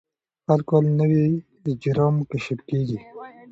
هر کال نوي اجرام کشف کېږي.